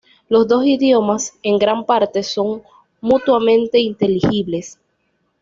Los dos idiomas, en gran parte, son mutuamente inteligibles.